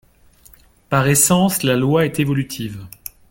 Par essence, la loi est évolutive.